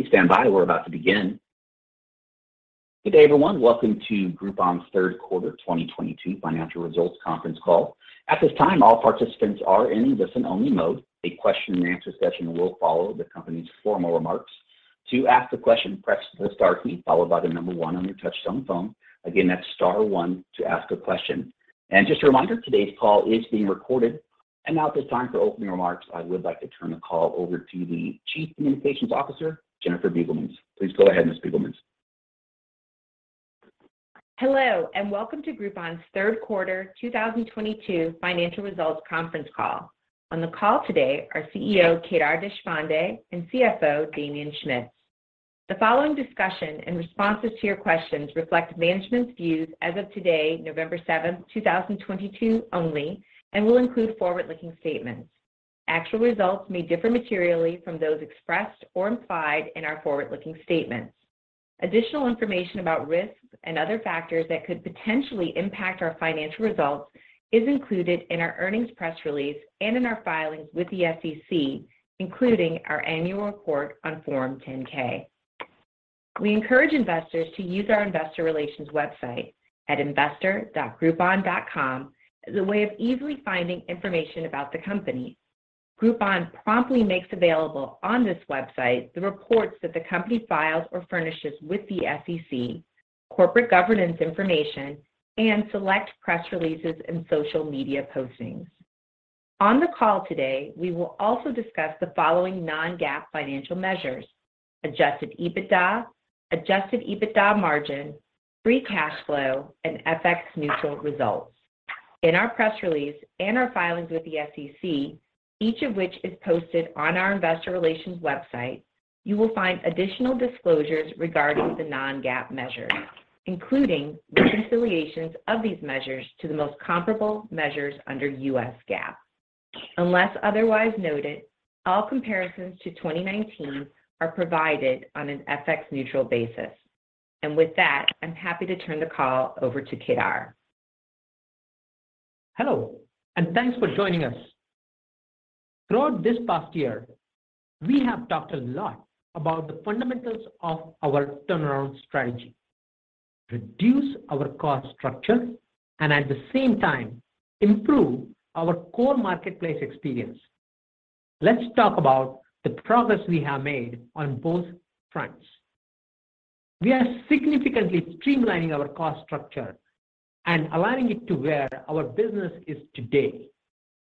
Please stand by. We're about to begin. Good day, everyone. Welcome to Groupon's third quarter 2022 financial results conference call. At this time, all participants are in listen-only mode. A question-and-answer session will follow the company's formal remarks. To ask a question, press the star key followed by the number one on your touch-tone phone. Again, that's star one to ask a question. Just a reminder, today's call is being recorded. Now it is time for opening remarks. I would like to turn the call over to the Chief Communications Officer, Jennifer Beugelmans. Please go ahead, Ms. Beugelmans. Hello, welcome to Groupon's third quarter 2022 financial results conference call. On the call today are CEO Kedar Deshpande and CFO Damien Schmitz. The following discussion and responses to your questions reflect management's views as of today, November 7, 2022 only, will include forward-looking statements. Actual results may differ materially from those expressed or implied in our forward-looking statements. Additional information about risks and other factors that could potentially impact our financial results is included in our earnings press release and in our filings with the SEC, including our annual report on Form 10-K. We encourage investors to use our investor relations website at investor.groupon.com as a way of easily finding information about the company. Groupon promptly makes available on this website the reports that the company files or furnishes with the SEC, corporate governance information, select press releases in social media postings. On the call today, we will also discuss the following non-GAAP financial measures: adjusted EBITDA, adjusted EBITDA margin, free cash flow, and FX-neutral results. In our press release, our filings with the SEC, each of which is posted on our investor relations website, you will find additional disclosures regarding the non-GAAP measures, including the reconciliations of these measures to the most comparable measures under US GAAP. Unless otherwise noted, all comparisons to 2019 are provided on an FX-neutral basis. With that, I'm happy to turn the call over to Kedar. Hello, thanks for joining us. Throughout this past year, we have talked a lot about the fundamentals of our turnaround strategy, reduce our cost structure and at the same time improve our core marketplace experience. Let's talk about the progress we have made on both fronts. We are significantly streamlining our cost structure and aligning it to where our business is today.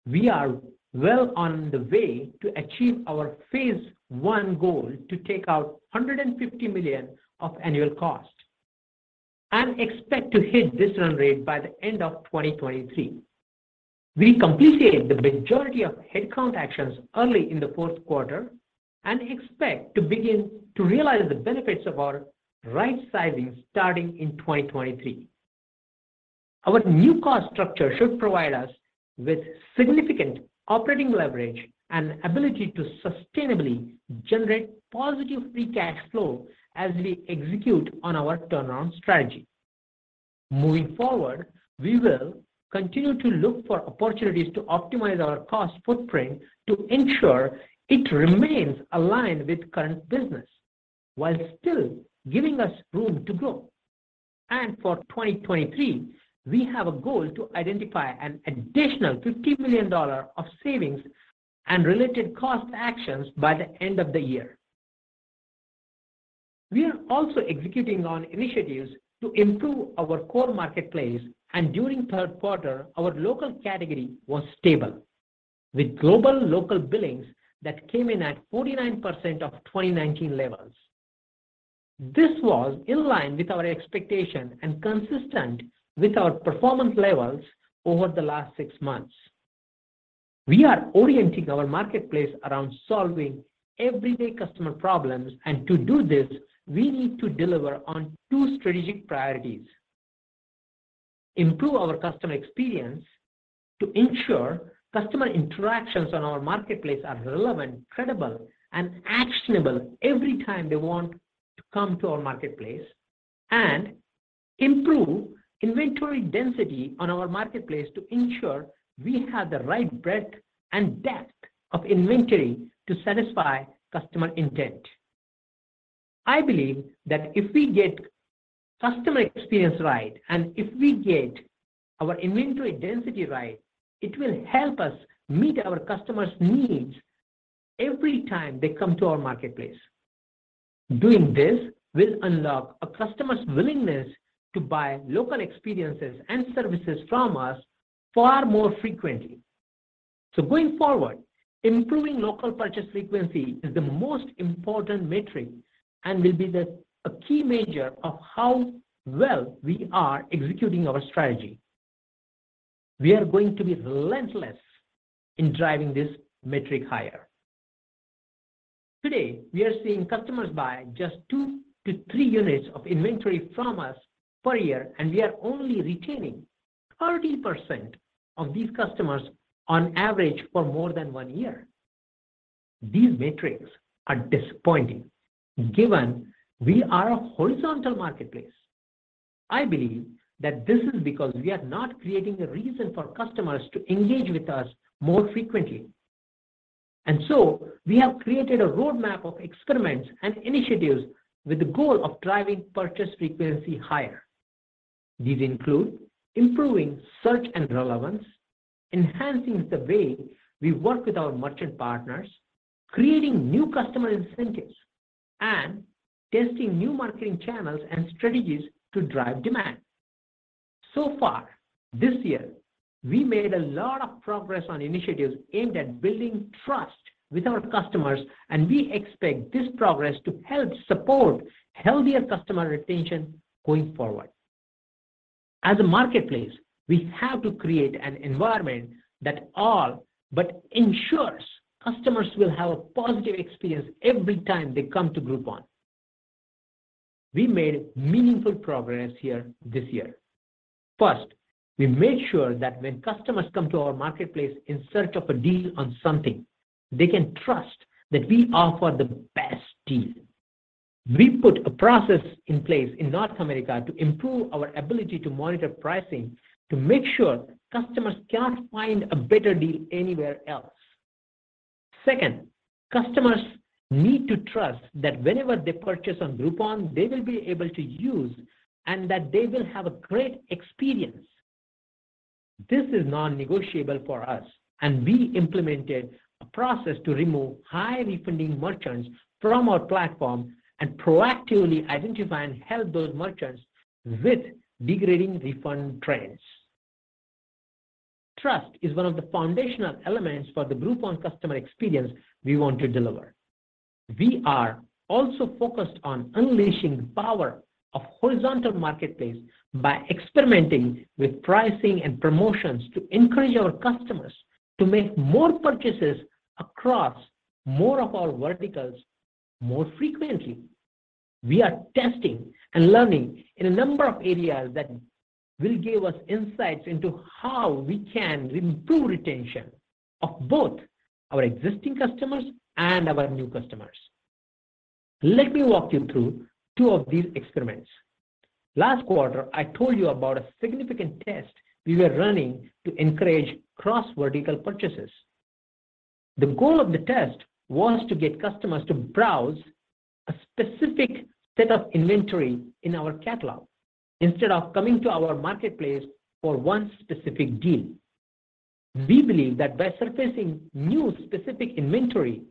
We are well on the way to achieve our phase 1 goal to take out $150 million of annual costs and expect to hit this run rate by the end of 2023. We completed the majority of headcount actions early in the fourth quarter and expect to begin to realize the benefits of our right sizing starting in 2023. Our new cost structure should provide us with significant operating leverage and ability to sustainably generate positive free cash flow as we execute on our turnaround strategy. Moving forward, we will continue to look for opportunities to optimize our cost footprint to ensure it remains aligned with current business while still giving us room to grow. For 2023, we have a goal to identify an additional $50 million of savings and related cost actions by the end of the year. We are also executing on initiatives to improve our core marketplace, and during third quarter, our local category was stable, with global local billings that came in at 49% of 2019 levels. This was in line with our expectation and consistent with our performance levels over the last six months. We are orienting our marketplace around solving everyday customer problems. To do this, we need to deliver on two strategic priorities: improve our customer experience to ensure customer interactions on our marketplace are relevant, credible, and actionable every time they want to come to our marketplace. Improve inventory density on our marketplace to ensure we have the right breadth and depth of inventory to satisfy customer intent. I believe that if we get customer experience right and if we get our inventory density right, it will help us meet our customers' needs every time they come to our marketplace. Doing this will unlock a customer's willingness to buy local experiences and services from us far more frequently. Going forward, improving local purchase frequency is the most important metric and will be a key measure of how well we are executing our strategy. We are going to be relentless in driving this metric higher. Today, we are seeing customers buy just two to three units of inventory from us per year, and we are only retaining 30% of these customers on average for more than one year. These metrics are disappointing given we are a horizontal marketplace. I believe that this is because we are not creating a reason for customers to engage with us more frequently. We have created a roadmap of experiments and initiatives with the goal of driving purchase frequency higher. These include improving search and relevance, enhancing the way we work with our merchant partners, creating new customer incentives, and testing new marketing channels and strategies to drive demand. Far this year, we made a lot of progress on initiatives aimed at building trust with our customers, and we expect this progress to help support healthier customer retention going forward. As a marketplace, we have to create an environment that ensures customers will have a positive experience every time they come to Groupon. We made meaningful progress here this year. First, we made sure that when customers come to our marketplace in search of a deal on something, they can trust that we offer the best deal. We put a process in place in North America to improve our ability to monitor pricing to make sure customers can't find a better deal anywhere else. Second, customers need to trust that whenever they purchase on Groupon, they will be able to use and that they will have a great experience. This is non-negotiable for us, and we implemented a process to remove high-refunding merchants from our platform and proactively identify and help those merchants with degrading refund trends. Trust is one of the foundational elements for the Groupon customer experience we want to deliver. We are also focused on unleashing the power of horizontal marketplace by experimenting with pricing and promotions to encourage our customers to make more purchases across more of our verticals more frequently. We are testing and learning in a number of areas that will give us insights into how we can improve retention of both our existing customers and our new customers. Let me walk you through two of these experiments. Last quarter, I told you about a significant test we were running to encourage cross-vertical purchases. The goal of the test was to get customers to browse a specific set of inventory in our catalog instead of coming to our marketplace for one specific deal. We believe that by surfacing new specific inventory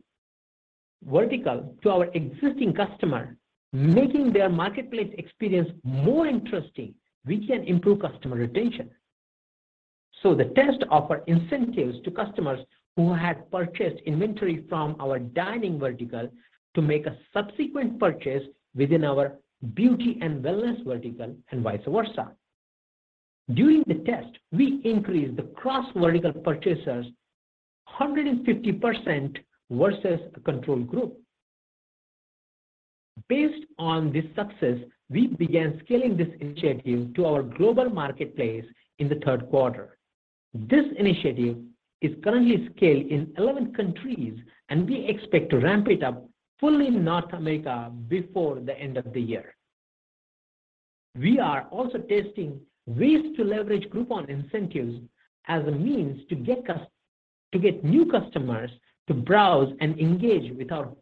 vertical to our existing customer, making their marketplace experience more interesting, we can improve customer retention. The test offered incentives to customers who had purchased inventory from our dining vertical to make a subsequent purchase within our beauty and wellness vertical, and vice versa. During the test, we increased the cross-vertical purchasers 150% versus a control group. Based on this success, we began scaling this initiative to our global marketplace in the third quarter. This initiative is currently scaled in 11 countries, and we expect to ramp it up fully in North America before the end of the year. We are also testing ways to leverage Groupon incentives as a means to get new customers to browse and engage with our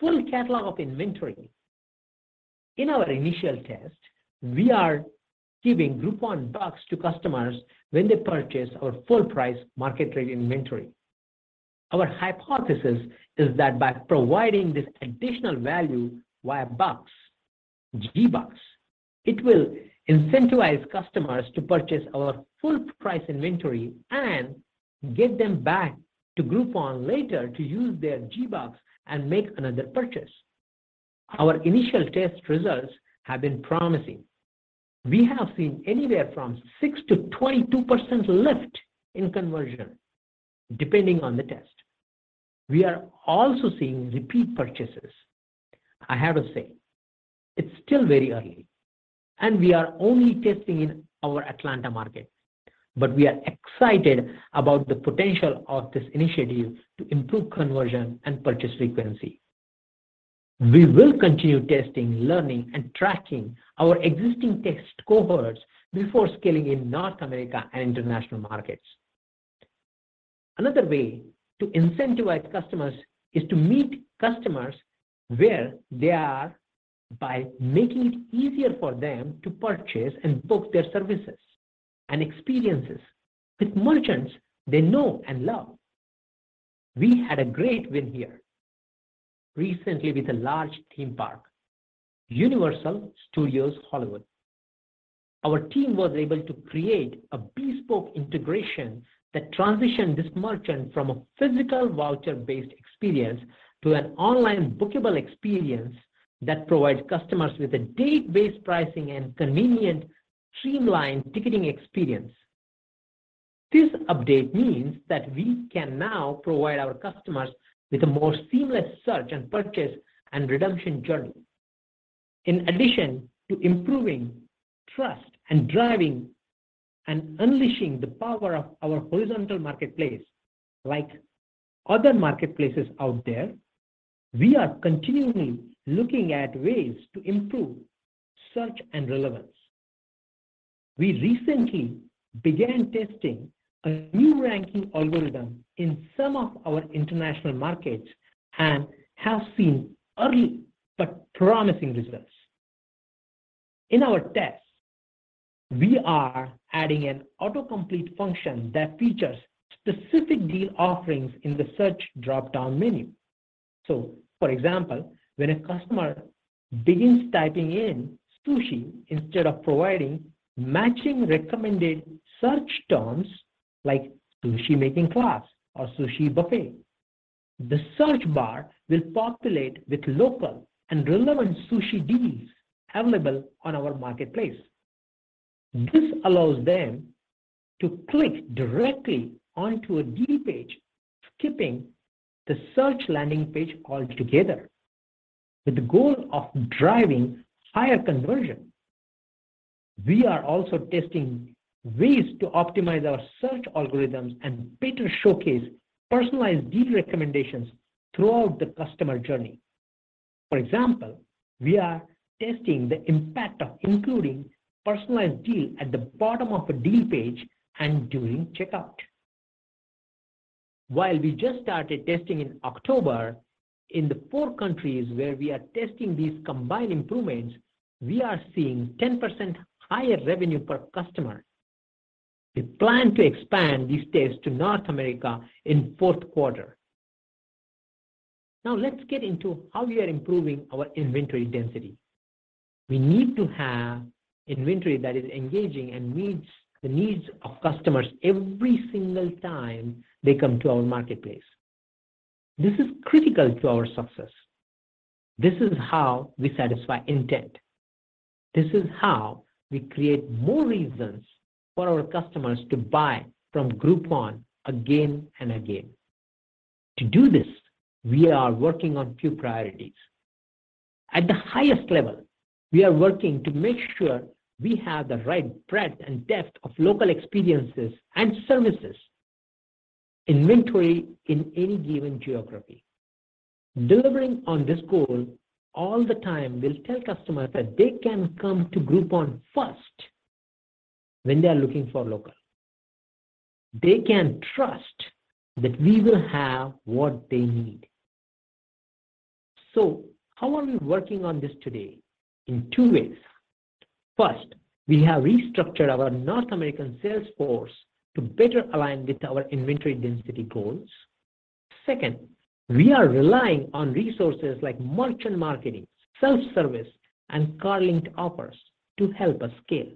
full catalog of inventory. In our initial test, we are giving Groupon Bucks to customers when they purchase our full price marketplace inventory. Our hypothesis is that by providing this additional value via G-Bucks, it will incentivize customers to purchase our full price inventory and get them back to Groupon later to use their G-Bucks and make another purchase. Our initial test results have been promising. We have seen anywhere from six to 22% lift in conversion depending on the test. We are also seeing repeat purchases. I have to say, it's still very early, and we are only testing in our Atlanta market, but we are excited about the potential of this initiative to improve conversion and purchase frequency. We will continue testing, learning, and tracking our existing test cohorts before scaling in North America and international markets. Another way to incentivize customers is to meet customers where they are by making it easier for them to purchase and book their services and experiences with merchants they know and love. We had a great win here recently with a large theme park, Universal Studios Hollywood. Our team was able to create a bespoke integration that transitioned this merchant from a physical voucher-based experience to an online bookable experience that provides customers with a date-based pricing and convenient, streamlined ticketing experience. This update means that we can now provide our customers with a more seamless search and purchase and redemption journey. In addition to improving trust and driving and unleashing the power of our horizontal marketplace, like other marketplaces out there, we are continually looking at ways to improve search and relevance. We recently began testing a new ranking algorithm in some of our international markets and have seen early but promising results. In our tests, we are adding an auto-complete function that features specific deal offerings in the search drop-down menu. For example, when a customer begins typing in "sushi," instead of providing matching recommended search terms like "sushi-making class" or "sushi buffet," the search bar will populate with local and relevant sushi deals available on our Groupon Marketplace. This allows them to click directly onto a deal page, skipping the search landing page altogether. With the goal of driving higher conversion, we are also testing ways to optimize our search algorithms and better showcase personalized deal recommendations throughout the customer journey. For example, we are testing the impact of including personalized deal at the bottom of a deal page and during checkout. While we just started testing in October, in the four countries where we are testing these combined improvements, we are seeing 10% higher revenue per customer. We plan to expand these tests to North America in fourth quarter. Let's get into how we are improving our inventory density. We need to have inventory that is engaging and meets the needs of customers every single time they come to our Groupon Marketplace. This is critical to our success. This is how we satisfy intent. This is how we create more reasons for our customers to buy from Groupon again and again. To do this, we are working on few priorities. At the highest level, we are working to make sure we have the right breadth and depth of local experiences and services inventory in any given geography. Delivering on this goal all the time will tell customers that they can come to Groupon first when they are looking for local. They can trust that we will have what they need. How are we working on this today? In two ways. First, we have restructured our North American sales force to better align with our inventory density goals. Second, we are relying on resources like merchant marketing, self-service, and Card-Linked Offers to help us scale.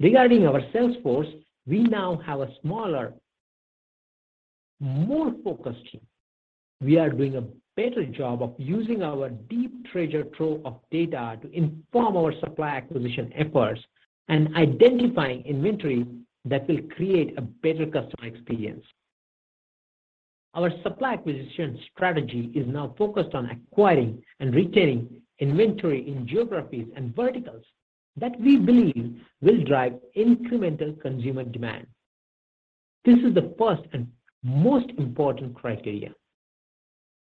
Regarding our sales force, we now have a smaller, more focused team. We are doing a better job of using our deep treasure trove of data to inform our supply acquisition efforts and identifying inventory that will create a better customer experience. Our supply acquisition strategy is now focused on acquiring and retaining inventory in geographies and verticals that we believe will drive incremental consumer demand. This is the first and most important criteria.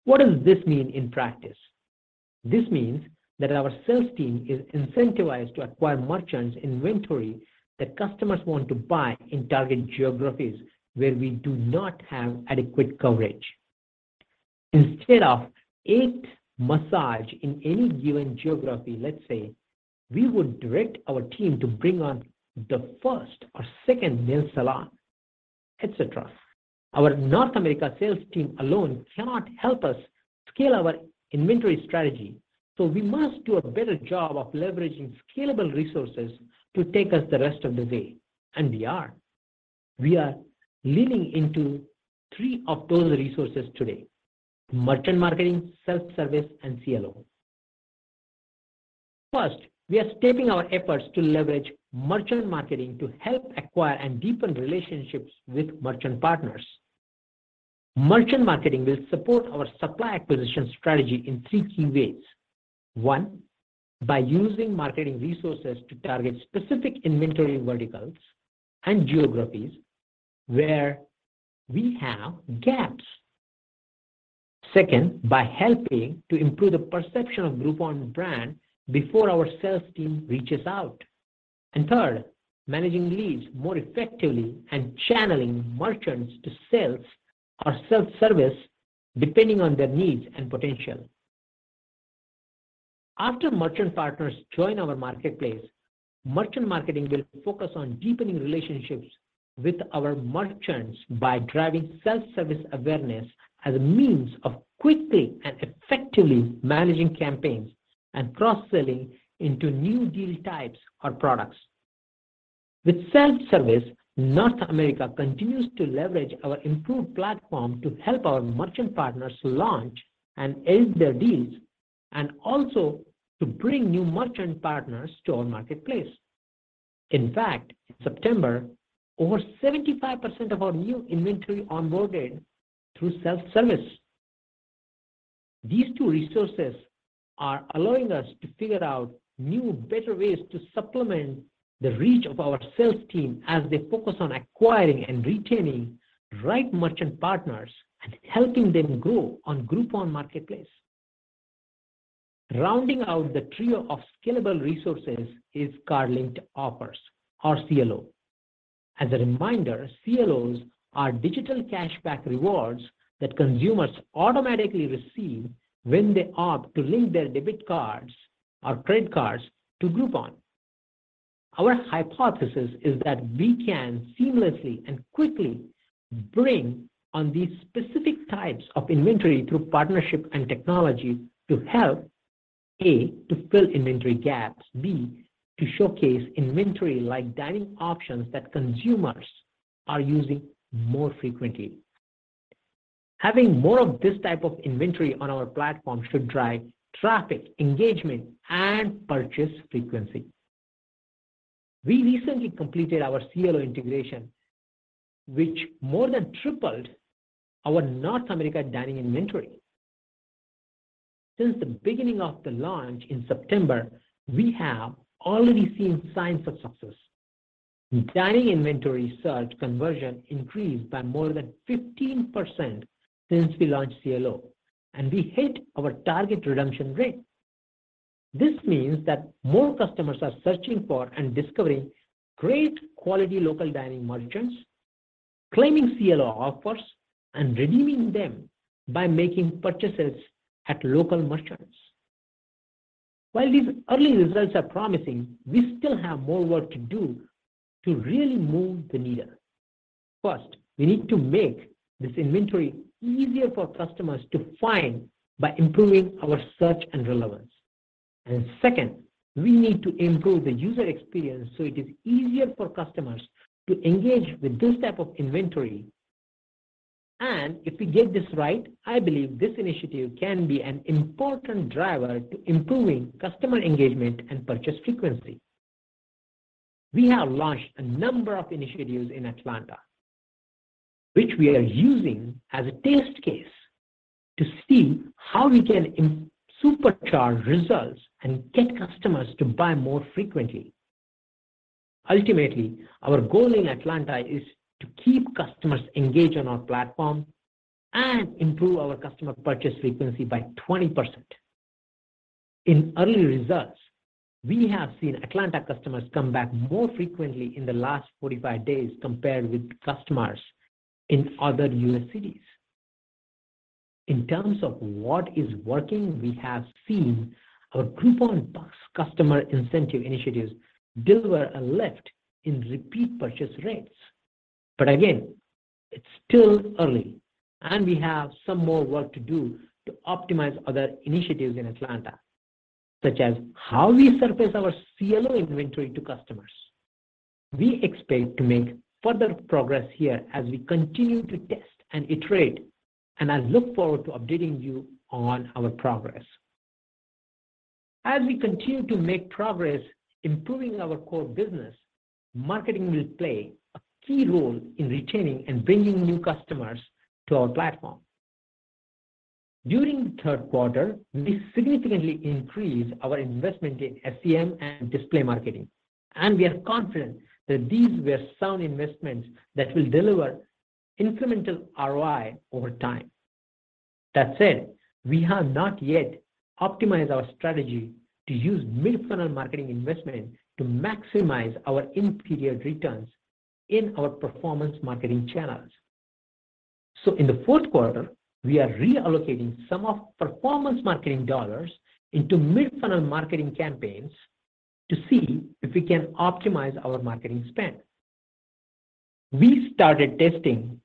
What does this mean in practice? This means that our sales team is incentivized to acquire merchants' inventory that customers want to buy in target geographies where we do not have adequate coverage. Instead of eight massage in any given geography, let's say, we would direct our team to bring on the first or second nail salon, et cetera. Our North America sales team alone cannot help us scale our inventory strategy, we must do a better job of leveraging scalable resources to take us the rest of the way, and we are. We are leaning into three of those resources today: merchant marketing, self-service, and CLOs. First, we are stepping our efforts to leverage merchant marketing to help acquire and deepen relationships with merchant partners. Merchant marketing will support our supply acquisition strategy in three key ways. One, by using marketing resources to target specific inventory verticals and geographies where we have gaps. Second, by helping to improve the perception of Groupon before our sales team reaches out. Third, managing leads more effectively and channeling merchants to sales or self-service depending on their needs and potential. After merchant partners join our marketplace, merchant marketing will focus on deepening relationships with our merchants by driving self-service awareness as a means of quickly and effectively managing campaigns and cross-selling into new deal types or products. With self-service, North America continues to leverage our improved platform to help our merchant partners launch and end their deals, and also to bring new merchant partners to our marketplace. In fact, in September, over 75% of our new inventory onboarded through self-service. These two resources are allowing us to figure out new, better ways to supplement the reach of our sales team as they focus on acquiring and retaining right merchant partners and helping them grow on Groupon Marketplace. Rounding out the trio of scalable resources is Card-Linked Offers, or CLO. As a reminder, CLOs are digital cashback rewards that consumers automatically receive when they opt to link their debit cards or credit cards to Groupon. Our hypothesis is that we can seamlessly and quickly bring on these specific types of inventory through partnership and technology to help, A, to fill inventory gaps. B, to showcase inventory like dining options that consumers are using more frequently. Having more of this type of inventory on our platform should drive traffic, engagement, and purchase frequency. We recently completed our CLO integration, which more than tripled our North America dining inventory. Since the beginning of the launch in September, we have already seen signs of success. Dining inventory search conversion increased by more than 15% since we launched CLO, and we hit our target redemption rate. This means that more customers are searching for and discovering great quality local dining merchants, claiming CLO offers, and redeeming them by making purchases at local merchants. While these early results are promising, we still have more work to do to really move the needle. First, we need to make this inventory easier for customers to find by improving our search and relevance. Second, we need to improve the user experience so it is easier for customers to engage with this type of inventory. If we get this right, I believe this initiative can be an important driver to improving customer engagement and purchase frequency. We have launched a number of initiatives in Atlanta, which we are using as a test case to see how we can supercharge results and get customers to buy more frequently. Ultimately, our goal in Atlanta is to keep customers engaged on our platform and improve our customer purchase frequency by 20%. In early results, we have seen Atlanta customers come back more frequently in the last 45 days compared with customers in other U.S. cities. In terms of what is working, we have seen our Groupon+ customer incentive initiatives deliver a lift in repeat purchase rates. Again, it's still early, and we have some more work to do to optimize other initiatives in Atlanta, such as how we surface our CLO inventory to customers. We expect to make further progress here as we continue to test and iterate. I look forward to updating you on our progress. As we continue to make progress improving our core business, marketing will play a key role in retaining and bringing new customers to our platform. During the third quarter, we significantly increased our investment in SEM and display marketing, and we are confident that these were sound investments that will deliver incremental ROI over time. That said, we have not yet optimized our strategy to use mid-funnel marketing investment to maximize our in-period returns in our performance marketing channels. In the fourth quarter, we are reallocating some of performance marketing dollars into mid-funnel marketing campaigns to see if we can optimize our marketing spend. We started testing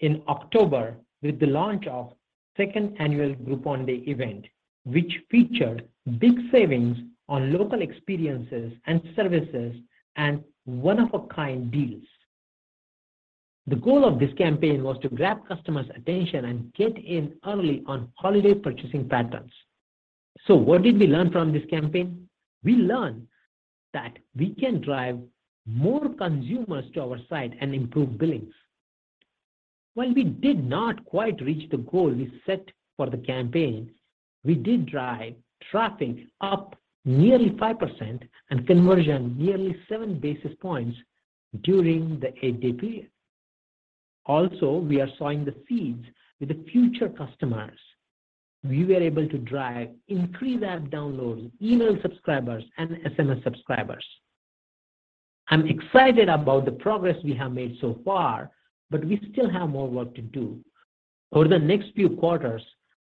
in October with the launch of second annual Groupon Day event, which featured big savings on local experiences and services and one-of-a-kind deals. The goal of this campaign was to grab customers' attention and get in early on holiday purchasing patterns. What did we learn from this campaign? We learned that we can drive more consumers to our site and improve billings. While we did not quite reach the goal we set for the campaign, we did drive traffic up nearly 5% and conversion nearly seven basis points during the eight-day period. We are sowing the seeds with the future customers. We were able to drive increased app downloads, email subscribers, and SMS subscribers. I'm excited about the progress we have made so far, but we still have more work to do. Over the next few quarters,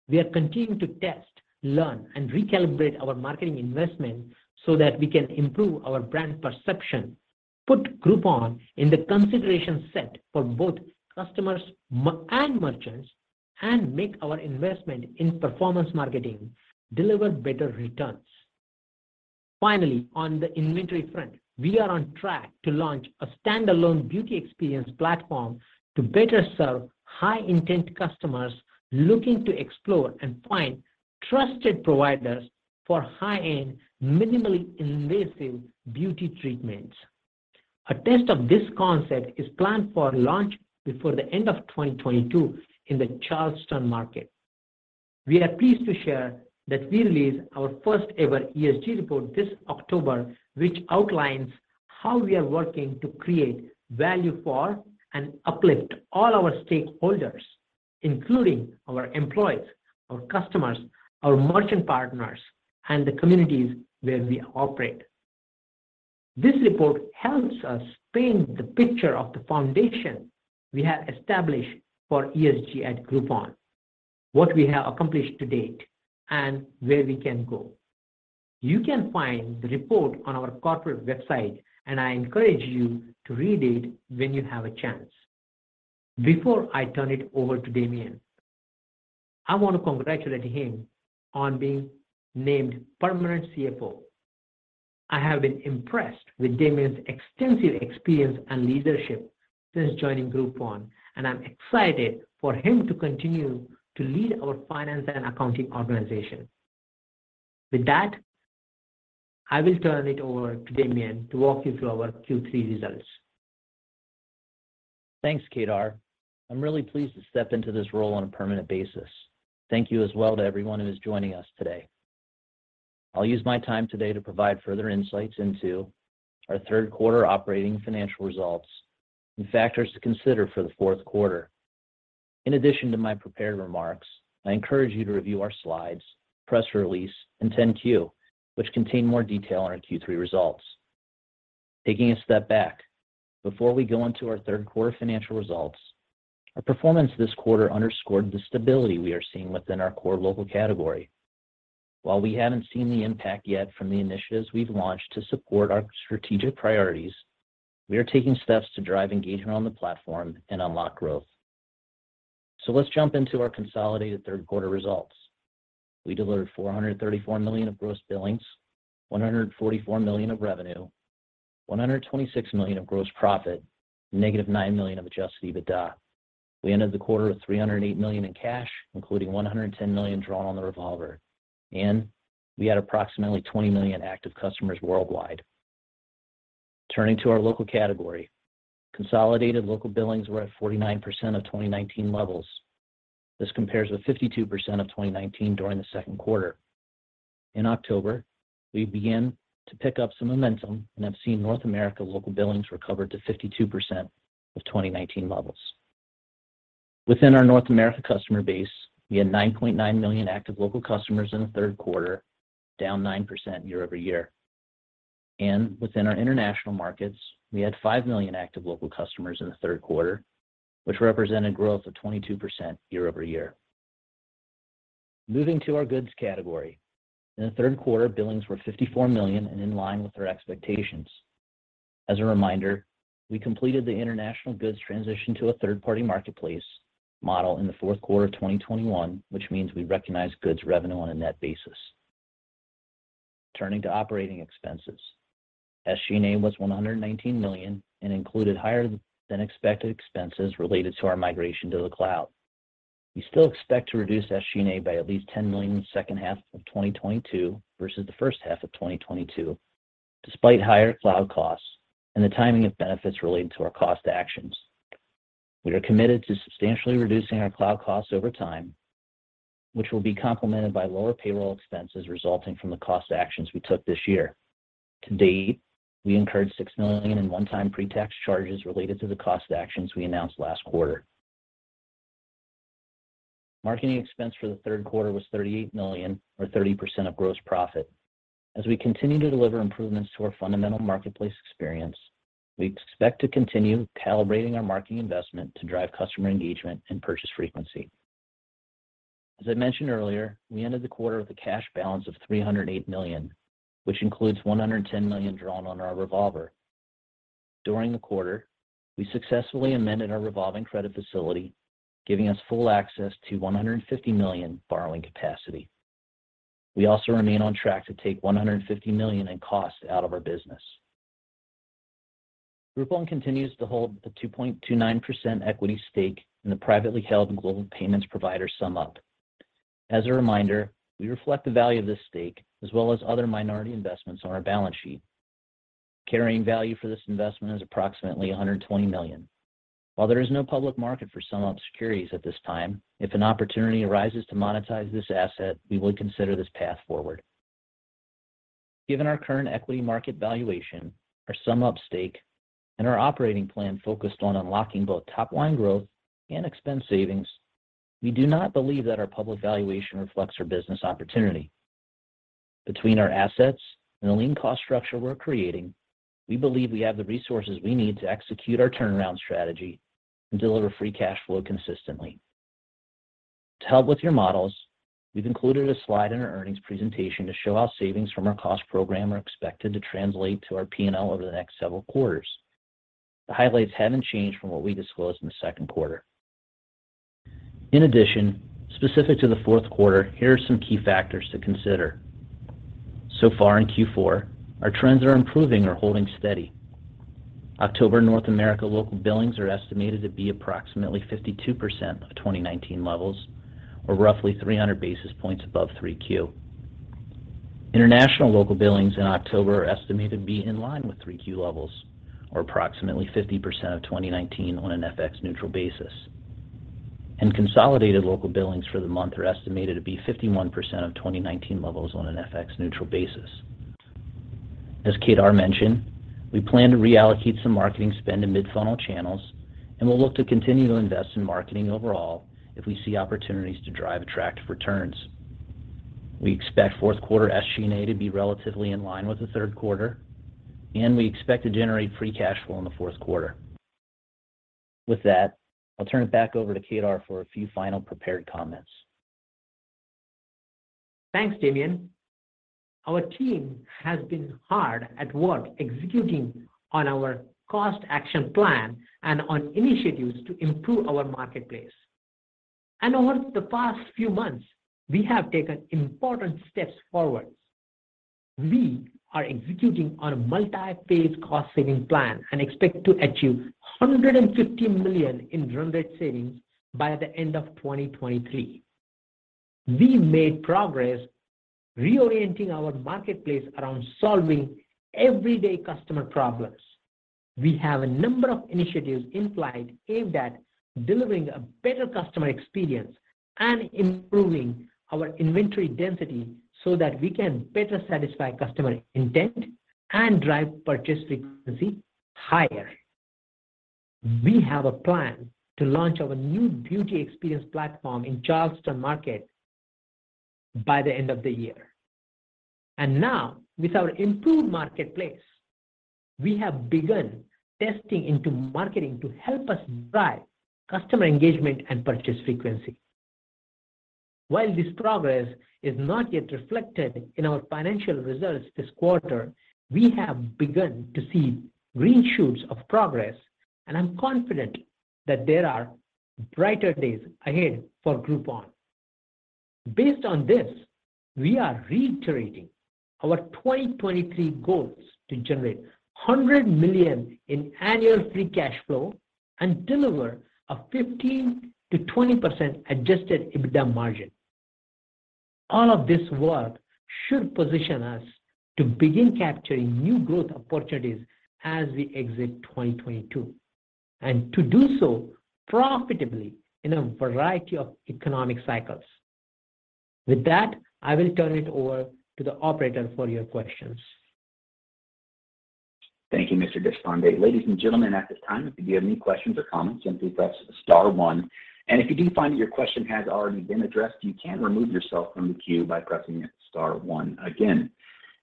we are continuing to test, learn, and recalibrate our marketing investment so that we can improve our brand perception, put Groupon in the consideration set for both customers and merchants, and make our investment in performance marketing deliver better returns. On the inventory front, we are on track to launch a standalone beauty experience platform to better serve high-intent customers looking to explore and find trusted providers for high-end, minimally invasive beauty treatments. A test of this concept is planned for launch before the end of 2022 in the Charleston market. We are pleased to share that we released our first-ever ESG report this October, which outlines how we are working to create value for and uplift all our stakeholders, including our employees, our customers, our merchant partners, and the communities where we operate. This report helps us paint the picture of the foundation we have established for ESG at Groupon, what we have accomplished to date, and where we can go. You can find the report on our corporate website, I encourage you to read it when you have a chance. Before I turn it over to Damien, I want to congratulate him on being named permanent CFO. I have been impressed with Damien's extensive experience and leadership since joining Groupon, I'm excited for him to continue to lead our finance and accounting organization. I will turn it over to Damien to walk you through our Q3 results. Thanks, Kedar. I'm really pleased to step into this role on a permanent basis. Thank you as well to everyone who is joining us today. I'll use my time today to provide further insights into our third quarter operating financial results and factors to consider for the fourth quarter. In addition to my prepared remarks, I encourage you to review our slides, press release, and 10-Q, which contain more detail on our Q3 results. Taking a step back, before we go into our third quarter financial results, our performance this quarter underscored the stability we are seeing within our core local category. While we haven't seen the impact yet from the initiatives we've launched to support our strategic priorities, we are taking steps to drive engagement on the platform and unlock growth. Let's jump into our consolidated third quarter results. We delivered $434 million of gross billings, $144 million of revenue, $126 million of gross profit, -$9 million of adjusted EBITDA. We ended the quarter with $308 million in cash, including $110 million drawn on the revolver, and we had approximately 20 million active customers worldwide. Turning to our local category. Consolidated local billings were at 49% of 2019 levels. This compares with 52% of 2019 during the second quarter. In October, we began to pick up some momentum and have seen North America local billings recover to 52% of 2019 levels. Within our North America customer base, we had 9.9 million active local customers in the third quarter, down 9% year-over-year. Within our international markets, we had 5 million active local customers in the third quarter, which represented growth of 22% year-over-year. Moving to our goods category. In the third quarter, billings were $54 million and in line with our expectations. As a reminder, we completed the international goods transition to a third-party marketplace model in the fourth quarter of 2021, which means we recognize goods revenue on a net basis. Turning to operating expenses. SG&A was $119 million and included higher than expected expenses related to our migration to the cloud. We still expect to reduce SG&A by at least $10 million in the second half of 2022 versus the first half of 2022, despite higher cloud costs and the timing of benefits related to our cost actions. We are committed to substantially reducing our cloud costs over time, which will be complemented by lower payroll expenses resulting from the cost actions we took this year. To date, we incurred $6 million in one-time pre-tax charges related to the cost actions we announced last quarter. Marketing expense for the third quarter was $38 million or 30% of gross profit. As we continue to deliver improvements to our fundamental marketplace experience, we expect to continue calibrating our marketing investment to drive customer engagement and purchase frequency. As I mentioned earlier, we ended the quarter with a cash balance of $308 million, which includes $110 million drawn on our revolver. During the quarter, we successfully amended our revolving credit facility, giving us full access to $150 million borrowing capacity. We also remain on track to take $150 million in costs out of our business. Groupon continues to hold a 2.29% equity stake in the privately held global payments provider SumUp. As a reminder, we reflect the value of this stake as well as other minority investments on our balance sheet. Carrying value for this investment is approximately $120 million. While there is no public market for SumUp securities at this time, if an opportunity arises to monetize this asset, we would consider this path forward. Given our current equity market valuation, our SumUp stake, and our operating plan focused on unlocking both top-line growth and expense savings, we do not believe that our public valuation reflects our business opportunity. Between our assets and the lean cost structure we're creating, we believe we have the resources we need to execute our turnaround strategy and deliver free cash flow consistently. To help with your models, we've included a slide in our earnings presentation to show how savings from our cost program are expected to translate to our P&L over the next several quarters. The highlights haven't changed from what we disclosed in the second quarter. In addition, specific to the fourth quarter, here are some key factors to consider. Far in Q4, our trends are improving or holding steady. October North America local billings are estimated to be approximately 52% of 2019 levels, or roughly 300 basis points above 3Q. International local billings in October are estimated to be in line with 3Q levels or approximately 50% of 2019 on an FX-neutral basis. Consolidated local billings for the month are estimated to be 51% of 2019 levels on an FX-neutral basis. As Kedar mentioned, we plan to reallocate some marketing spend to mid-funnel channels, and we'll look to continue to invest in marketing overall if we see opportunities to drive attractive returns. We expect fourth quarter SG&A to be relatively in line with the third quarter, and we expect to generate free cash flow in the fourth quarter. With that, I'll turn it back over to Kedar for a few final prepared comments. Thanks, Damien. Our team has been hard at work executing on our cost action plan and on initiatives to improve our marketplace. Over the past few months, we have taken important steps forward. We are executing on a multi-phase cost-saving plan and expect to achieve $150 million in run rate savings by the end of 2023. We made progress reorienting our marketplace around solving everyday customer problems. We have a number of initiatives in play aimed at delivering a better customer experience and improving our inventory density so that we can better satisfy customer intent and drive purchase frequency higher. We have a plan to launch our new beauty experience platform in Charleston market by the end of the year. Now, with our improved marketplace, we have begun testing into marketing to help us drive customer engagement and purchase frequency. While this progress is not yet reflected in our financial results this quarter, we have begun to see green shoots of progress, and I'm confident that there are brighter days ahead for Groupon. Based on this, we are reiterating our 2023 goals to generate $100 million in annual free cash flow and deliver a 15%-20% adjusted EBITDA margin. All of this work should position us to begin capturing new growth opportunities as we exit 2022, and to do so profitably in a variety of economic cycles. With that, I will turn it over to the operator for your questions. Thank you, Mr. Deshpande. Ladies and gentlemen, at this time, if you have any questions or comments, simply press star one. If you do find that your question has already been addressed, you can remove yourself from the queue by pressing star one again.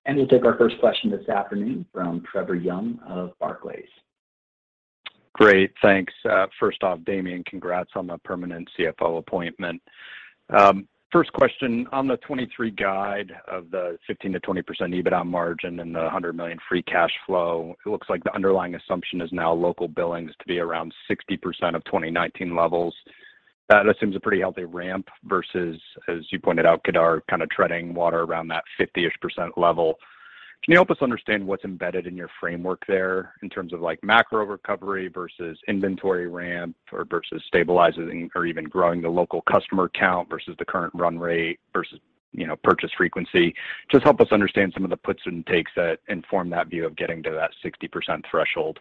We'll take our first question this afternoon from Trevor Young of Barclays. Great, thanks. First off, Damien, congrats on the permanent CFO appointment. First question, on the 2023 guide of the 15%-20% adjusted EBITDA margin and the $100 million free cash flow, it looks like the underlying assumption is now local billings to be around 60% of 2019 levels. That seems a pretty healthy ramp versus, as you pointed out, Kedar, kind of treading water around that 50ish% level. Can you help us understand what's embedded in your framework there in terms of macro recovery versus inventory ramp or versus stabilizing or even growing the local customer count versus the current run rate versus purchase frequency? Just help us understand some of the puts and takes that inform that view of getting to that 60% threshold.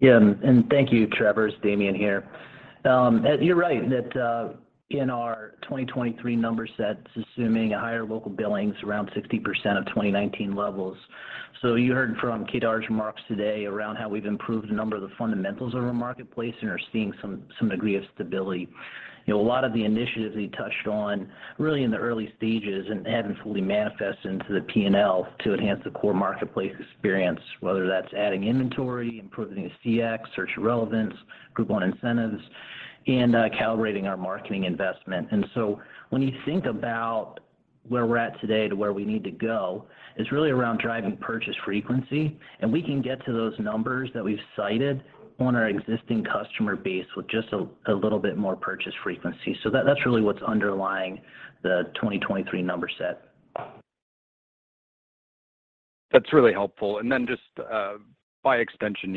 Yeah, thank you, Trevor. It's Damien here. You're right, that in our 2023 number set, it's assuming a higher local billings around 60% of 2019 levels. You heard from Kedar's remarks today around how we've improved a number of the fundamentals of our marketplace and are seeing some degree of stability. A lot of the initiatives he touched on really in the early stages and haven't fully manifested into the P&L to enhance the core marketplace experience, whether that's adding inventory, improving the CX, search relevance, Groupon incentives, and calibrating our marketing investment. When you think about where we're at today to where we need to go, it's really around driving purchase frequency, and we can get to those numbers that we've cited on our existing customer base with just a little bit more purchase frequency. That's really what's underlying the 2023 number set. That's really helpful. Then just by extension,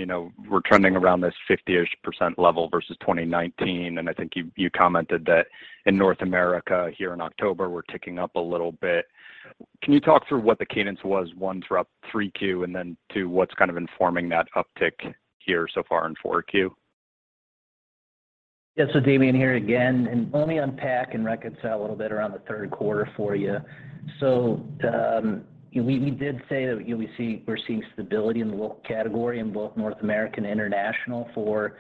we're trending around this 50ish% level versus 2019, and I think you commented that in North America here in October, we're ticking up a little bit. Can you talk through what the cadence was, one, throughout three Q, then two, what's kind of informing that uptick here so far in four Q? Damien here again. Let me unpack and reconcile a little bit around the third quarter for you. We did say that we're seeing stability in the local category in both North American and international. For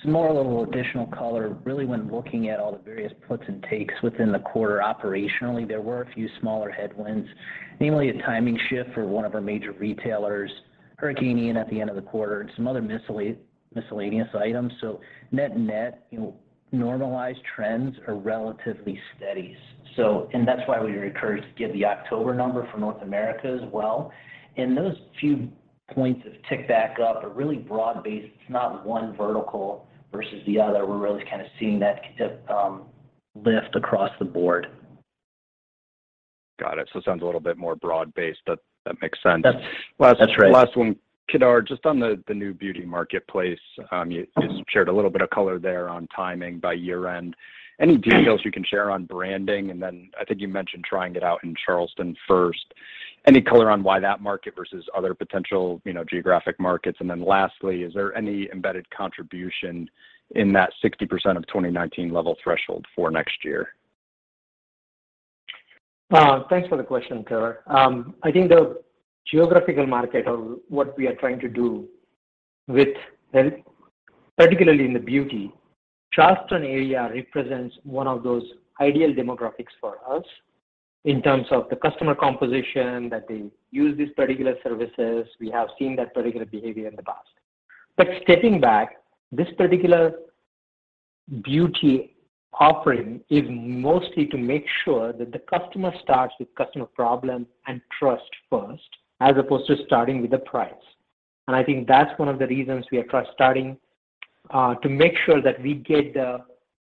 some more little additional color, really when looking at all the various puts and takes within the quarter operationally, there were a few smaller headwinds, namely a timing shift for one of our major retailers, Hurricane Ian at the end of the quarter, and some other miscellaneous items. Net net, normalized trends are relatively steady. That's why we were encouraged to give the October number for North America as well. Those few points of tick back up are really broad-based. It's not one vertical versus the other. We're really kind of seeing that lift across the board. Got it. It sounds a little bit more broad-based, that makes sense. That's right. Last one, Kedar, just on the new beauty marketplace. You shared a little bit of color there on timing by year-end. Any details you can share on branding? I think you mentioned trying it out in Charleston first. Any color on why that market versus other potential geographic markets? Lastly, is there any embedded contribution in that 60% of 2019 level threshold for next year? Thanks for the question, Kedar. I think the geographical market of what we are trying to do, particularly in beauty, the Charleston area represents one of those ideal demographics for us in terms of the customer composition, that they use these particular services. We have seen that particular behavior in the past. Stepping back, this particular beauty offering is mostly to make sure that the customer starts with customer problem and trust first, as opposed to starting with the price. I think that's one of the reasons we are starting to make sure that we get the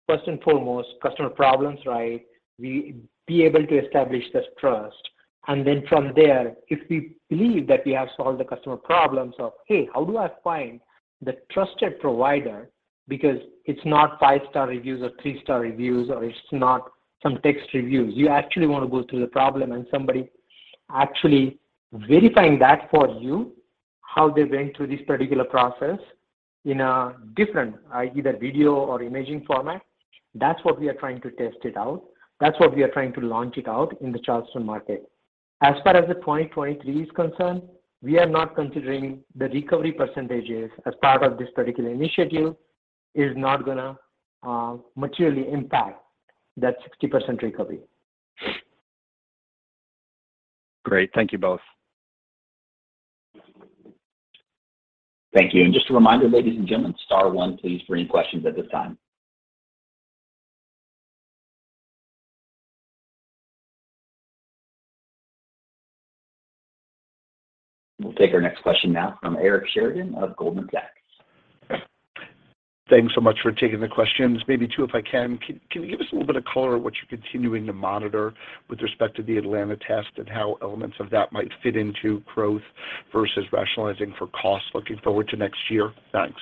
first and foremost customer problems right. We are able to establish this trust. Then from there, if we believe that we have solved the customer problems of, hey, how do I find the trusted provider? Because it's not five-star reviews or three-star reviews, or it's not some text reviews. You actually want to go through the problem and somebody actually verifying that for you, how they went through this particular process in a different, either video or imaging format. That's what we are trying to test out. That's what we are trying to launch out in the Charleston market. As far as 2023 is concerned, we are not considering the recovery percentages as part of this particular initiative. It is not going to materially impact that 60% recovery. Great. Thank you both. Thank you. Just a reminder, ladies and gentlemen, star one please for any questions at this time. We'll take our next question now from Eric Sheridan of Goldman Sachs. Thanks so much for taking the questions. Maybe two, if I can. Can you give us a little bit of color on what you're continuing to monitor with respect to the Atlanta test and how elements of that might fit into growth versus rationalizing for costs looking forward to next year? Thanks.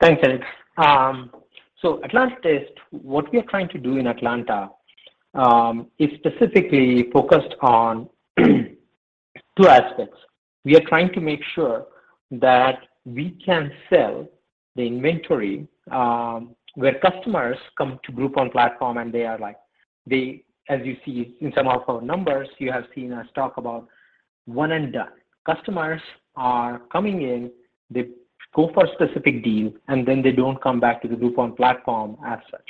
Thanks, Eric. Atlanta test, what we are trying to do in Atlanta is specifically focused on two aspects. We are trying to make sure that we can sell the inventory where customers come to Groupon platform and they, as you see in some of our numbers, you have seen us talk about one and done. Customers are coming in, they go for a specific deal, and then they don't come back to the Groupon platform as such.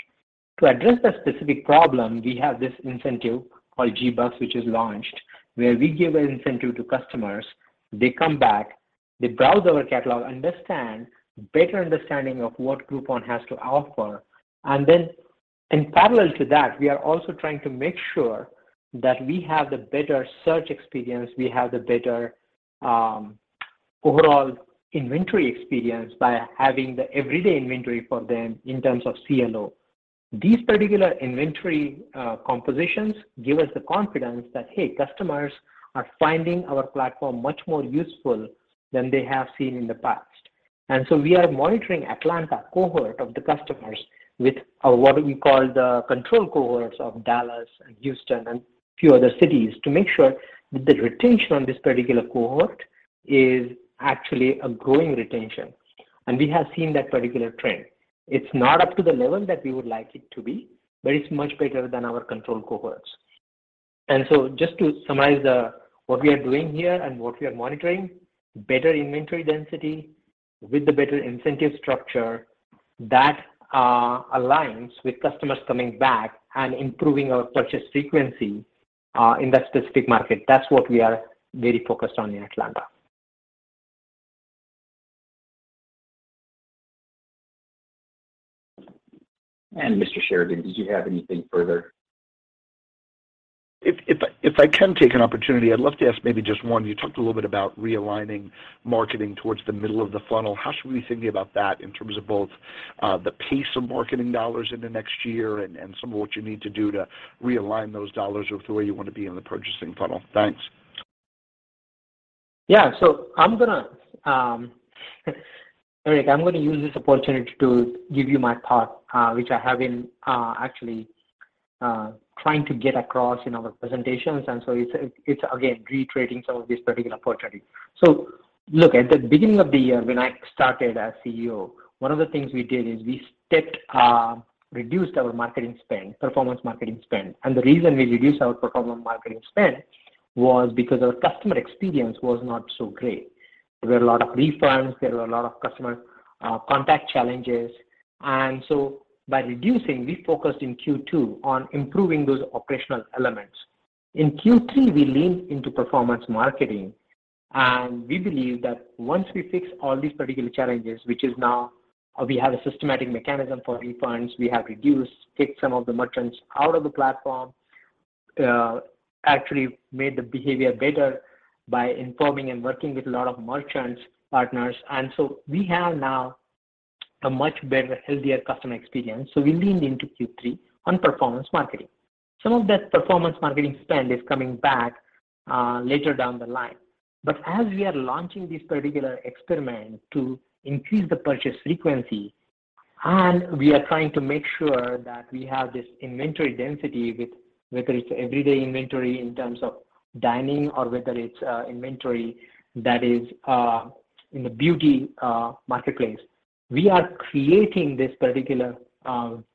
To address that specific problem, we have this incentive called Groupon Bucks, which is launched, where we give an incentive to customers. They come back, they browse our catalog, understand better understanding of what Groupon has to offer. In parallel to that, we are also trying to make sure that we have the better search experience, we have the better overall inventory experience by having the everyday inventory for them in terms of CLO. These particular inventory compositions give us the confidence that, hey, customers are finding our platform much more useful than they have seen in the past. We are monitoring Atlanta cohort of the customers with what we call the control cohorts of Dallas and Houston and a few other cities to make sure that the retention on this particular cohort is actually a growing retention. We have seen that particular trend. It's not up to the level that we would like it to be, but it's much better than our control cohorts. Just to summarize what we are doing here and what we are monitoring, better inventory density with the better incentive structure that aligns with customers coming back and improving our purchase frequency in that specific market. That's what we are very focused on in Atlanta. Mr. Sheridan, did you have anything further? If I can take an opportunity, I'd love to ask maybe just one. You talked a little bit about realigning marketing towards the middle of the funnel. How should we be thinking about that in terms of both the pace of marketing dollars in the next year and some of what you need to do to realign those dollars with the way you want to be in the purchasing funnel? Thanks. Yeah. Eric, I'm going to use this opportunity to give you my part which I have been actually trying to get across in our presentations, it's again, retreading some of this particular portrait. Look, at the beginning of the year when I started as CEO, one of the things we did is we reduced our performance marketing spend. The reason we reduced our performance marketing spend was because our customer experience was not so great. There were a lot of refunds, there were a lot of customer contact challenges. By reducing, we focused in Q2 on improving those operational elements. In Q3, we leaned into performance marketing, we believe that once we fix all these particular challenges, which is now we have a systematic mechanism for refunds. We have reduced, kicked some of the merchants out of the platform, actually made the behavior better by informing and working with a lot of merchant partners. We have now a much better, healthier customer experience. We leaned into Q3 on performance marketing. Some of that performance marketing spend is coming back later down the line. As we are launching this particular experiment to increase the purchase frequency, we are trying to make sure that we have this inventory density with whether it's everyday inventory in terms of dining or whether it's inventory that is in the beauty marketplace. We are creating this particular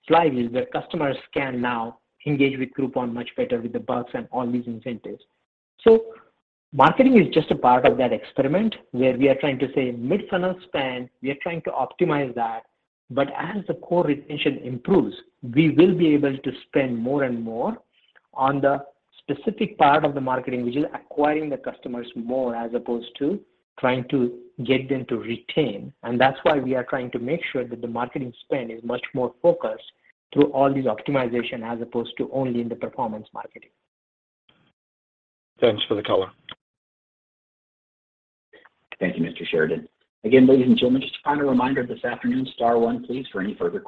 flywheel where customers can now engage with Groupon much better with the bucks and all these incentives. Marketing is just a part of that experiment where we are trying to say mid-funnel spend, we are trying to optimize that, but as the core retention improves, we will be able to spend more and more on the specific part of the marketing, which is acquiring the customers more, as opposed to trying to get them to retain. That's why we are trying to make sure that the marketing spend is much more focused through all these optimizations as opposed to only in the performance marketing. Thanks for the color. Thank you, Mr. Sheridan. Again, ladies and gentlemen, just a final reminder this afternoon, star one please for any further.